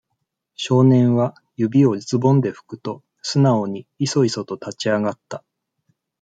少年は、指をズボンでふくと、素直に、いそいそと立ち上がった。